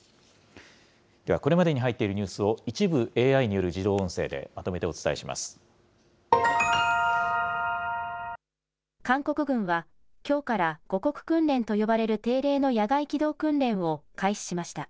では、これまでに入っているニュースを、一部ＡＩによる自動音声韓国軍は、きょうから護国訓練と呼ばれる定例の野外機動訓練を開始しました。